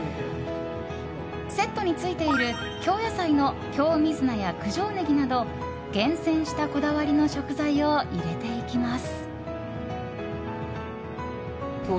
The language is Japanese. セットについている京野菜の京水菜や九条ねぎなど厳選したこだわりの食材を入れていきます。